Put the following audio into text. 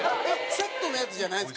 セットのやつじゃないんですか？